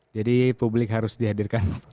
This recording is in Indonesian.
jadi publik harus dihadirkan